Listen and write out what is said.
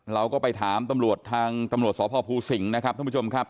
เราก็ไปถามตำรวจทางตำรวจสพภูสิงห์นะครับท่านผู้ชมครับ